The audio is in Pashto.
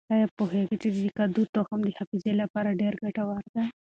آیا پوهېږئ چې د کدو تخم د حافظې لپاره ډېر ګټور دی؟